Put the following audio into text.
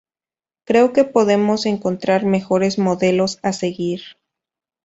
Creo que podemos encontrar mejores modelos a seguir.